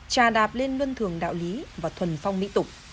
trà đạp lên luân thường đạo lý và thuần phong mỹ tục